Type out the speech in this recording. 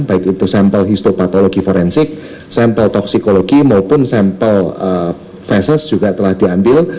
baik itu sampel histopatologi forensik sampel toksikologi maupun sampel fesis juga telah diambil